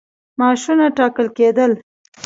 معاشونه ټاکل کېدل.